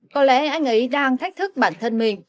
có lẽ anh ấy đang thách thức bản thân mình